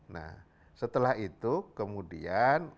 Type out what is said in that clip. nah setelah itu kemudian